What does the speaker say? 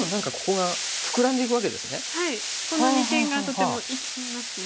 はいこの二間がとても生きますね